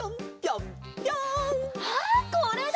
あっこれだ！